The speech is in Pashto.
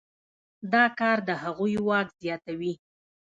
دا کار د هغوی واک زیاتوي.